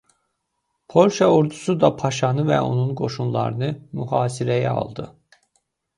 Polşa ordusu da paşanı və onun qoşunlarını mühasirəyə aldı.